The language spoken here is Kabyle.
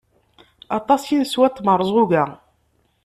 Aṭas i neswa n tmerẓuga.